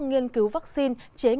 nghiên cứu vắc xin